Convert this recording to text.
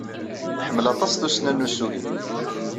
Iḥemmel aṭas tussna n ussugen.